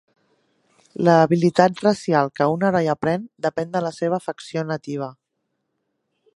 La habilitat racial que un heroi aprèn depèn de la seva facció nativa.